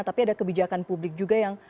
tapi ada kebijakan publik juga yang